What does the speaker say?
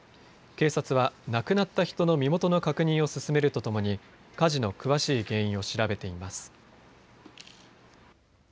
警察は亡くなった人の身元の確認を進めるとともに火事の詳しい原因を調べています。